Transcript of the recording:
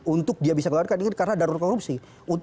untuk dia bisa keluar karena darur korupsi